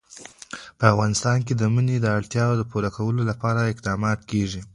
په افغانستان کې د منی د اړتیاوو پوره کولو لپاره اقدامات کېږي.